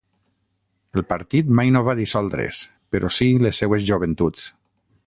El partit mai no va dissoldre's, però sí les seues joventuts.